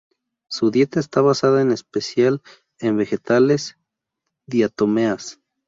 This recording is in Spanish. Su dieta está basada en especial en vegetales, diatomeas.